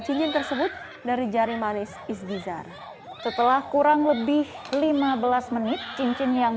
cincin tersebut dari jari manis isgizar setelah kurang lebih lima belas menit cincin yang